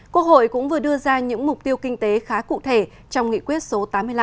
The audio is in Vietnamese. quốc hội cũng vừa đưa ra những mục tiêu kinh tế khá cụ thể trong nghị quyết số tám mươi năm